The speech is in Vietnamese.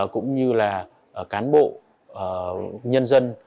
cũng như là cán bộ nhân dân